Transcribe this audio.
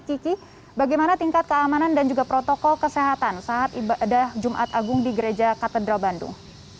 kiki bagaimana tingkat keamanan dan juga protokol kesehatan saat ibadah jumat agung di gereja katedral bandung